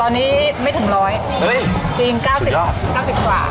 ตอนนี้ไม่ถึงร้อยจริง๙๐กว่า